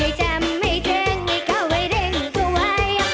ให้จำให้เจ็งให้เข้าไว้เร่งก็ไหว